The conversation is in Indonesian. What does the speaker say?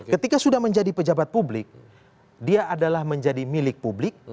ketika sudah menjadi pejabat publik dia adalah menjadi milik publik